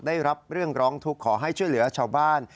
ได้รับเรื่องร้องทุกข์ขอให้ช่วยเหลือชาวบ้าน